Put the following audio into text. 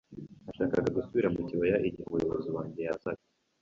Nashakaga gusubira mu kibaya igihe umuyobozi wanjye yazaga